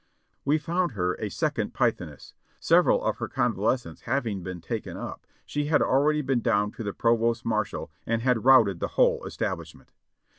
We found her a second Pythoness ; several of her convalescents having been taken up, she had al ready been down to the provost marshal and had routed the whole establishment.